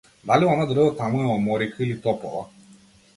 Дали она дрво таму е оморика или топола?